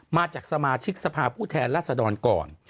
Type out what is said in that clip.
มาจากสมาชิกสภาพผู้แทนรัศดรก่อน